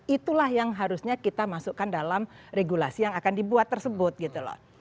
itulah yang harusnya kita masukkan dalam regulasi yang akan dibuat tersebut gitu loh